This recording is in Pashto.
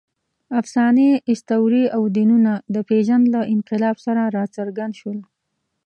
افسانې، اسطورې او دینونه د پېژند له انقلاب سره راڅرګند شول.